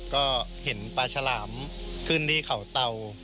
ก็เห็นปลาฉลามขึ้นที่เขาเตา